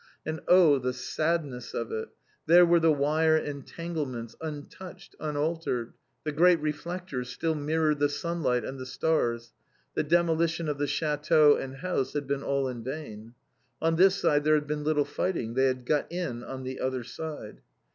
And oh, the sadness of it! There were the wire entanglements, untouched, unaltered! The great reflectors still mirrored the sunlight and the stars. The demolition of the châteaux and house had been all in vain. On this side there had been little fighting, they had got in on the other side.